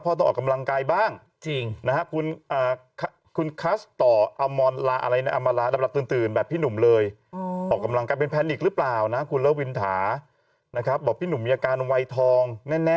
พ่อต้องออกกำลังกายบ้าง